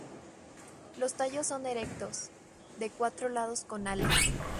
Los tallos son erectos, de cuatro lados con alas.